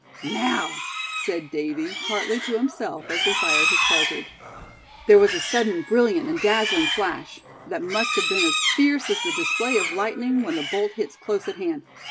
"Now!" said Davy, partly to himself, as he fired his cartridge. There was a sudden brilliant and dazzling flash, that must have been as fierce as the display of lightning when the bolt hits close at hand.